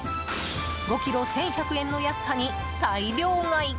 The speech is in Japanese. ５ｋｇ、１１００円の安さに大量買い。